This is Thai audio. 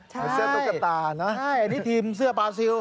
เหมือนเสื้อตุ๊กตาใช่นี่ทีมเสื้อเบาซิล